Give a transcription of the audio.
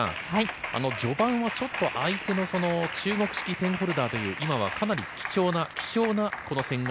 序盤はちょっと相手の中国式ペンホルダーという、今はかなり貴重な希少な戦型。